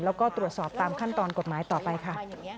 แล้วก็ตรวจสอบตามขั้นตอนกฎหมายต่อไปค่ะ